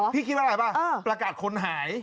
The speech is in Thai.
คิดว่าอะไรป่ะประกาศคนหาย